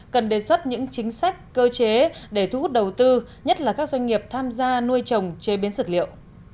cần đề xuất những chính sách cơ chế để thu hút đầu tư nhất là các doanh nghiệp tham gia nuôi trồng chế biến dược liệu